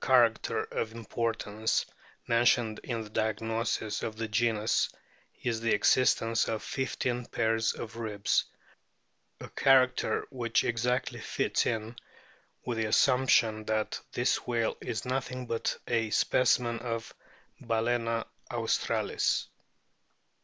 7 126 A BOOK OR WHALES acter of importance mentioned in the diagnosis of the genus is the existence of fifteen pairs of ribs, a character which exactly fits in with the assumption that this whale is nothing but a specimen of Balcena austral is.